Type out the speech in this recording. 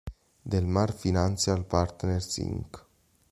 Del Mar Financial Partners Inc.